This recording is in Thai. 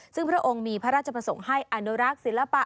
ซึ่งพระองค์มีพระราชประสงค์ให้อนุรักษ์ศิลปะ